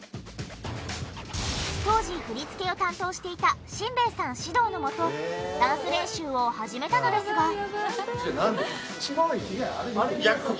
当時振り付けを担当していた新兵衛さん指導のもとダンス練習を始めたのですが。